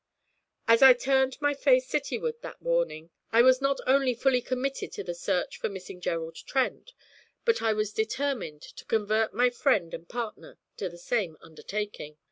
As I turned my face cityward that morning I was not only fully committed to the search for missing Gerald Trent, but I was determined to convert my friend and partner to the same undertaking.